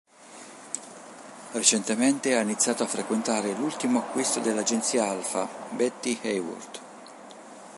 Recentemente ha iniziato a frequentare l'ultimo acquisto dell'Agenzia Alfa, Betty Hayworth.